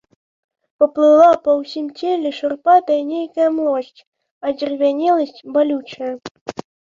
Паплыла па ўсім целе шурпатая нейкая млосць, адзервянеласць балючая.